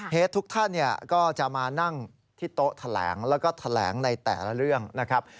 ทุกท่านก็จะมานั่งที่โต๊ะแถลงแล้วก็แถลงในแต่ละเรื่องนะครับ